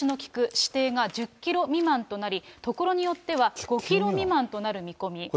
視程が１０キロ未満となり、所によっては５キロ未満となる見込み。